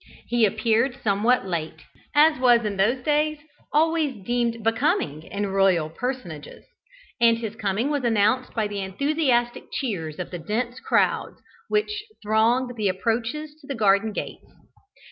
He appeared somewhat late, as was in those days always deemed becoming in royal personages, and his coming was announced by the enthusiastic cheers of the dense crowd which thronged the approaches to the garden gates.